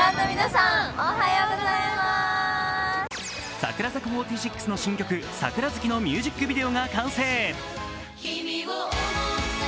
櫻坂４６の新曲「桜月」のミュージックビデオが完成。